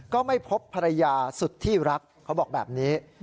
ก็ไม่พบภรรยาสุดที่รักเขาบอกแบบนี้